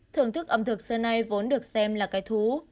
thưởng thức ẩm thực xưa nay vốn được xem là cái thú